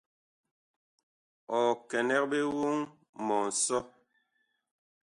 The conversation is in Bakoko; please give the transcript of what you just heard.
Ɔ kɛnɛg ɓe woŋ mɔ nsɔ.